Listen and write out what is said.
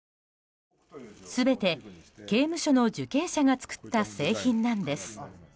全て刑務所の受刑者が作った製品なんです。